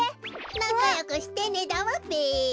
なかよくしてねだわべ。